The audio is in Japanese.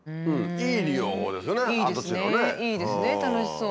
いいですね楽しそう。